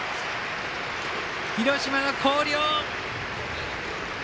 広島の広陵！